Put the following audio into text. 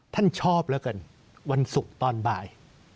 ท่านชอบแล้วกันวันศุกร์ตอนบ่าย